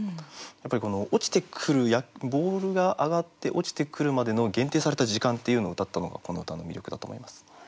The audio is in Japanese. やっぱりこの落ちてくるボールが上がって落ちてくるまでの限定された時間っていうのをうたったのがこの歌の魅力だと思います。